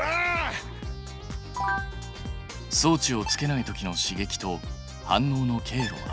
装置をつけたときの刺激と反応の経路は。